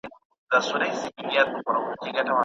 دا د یزید او کربلا لښکري